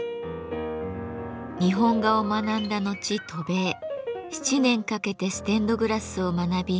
日本画を学んだ後渡米７年かけてステンドグラスを学び